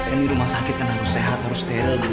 ini rumah sakit kan harus sehat harus stay